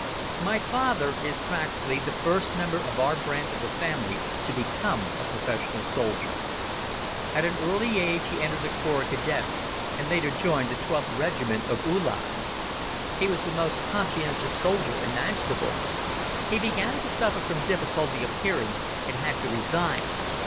My father is practically the first member of our branch of the family to become a professional soldier. At an early age he entered the Corps of Cadets and later joined the 12th Regiment of Uhlans. He was the most conscientious soldier imaginable. He began to suffer from difficulty of hearing and had to resign.